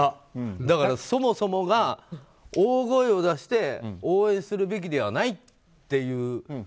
だから、そもそもが大声を出して応援するべきではないっていう。